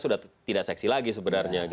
sudah tidak seksi lagi sebenarnya